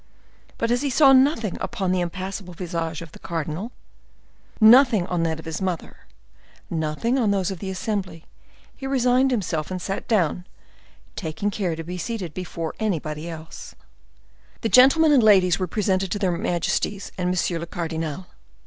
But as he saw nothing upon the impassible visage of the cardinal, nothing on that of his mother, nothing on those of the assembly, he resigned himself, and sat down, taking care to be seated before anybody else. The gentlemen and ladies were presented to their majesties and monsieur le cardinal.